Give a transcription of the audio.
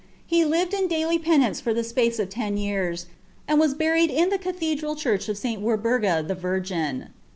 S> lind in daily penance for the space of tea years, and was buried in ibe cathedral church of St. Werburga the Virgin."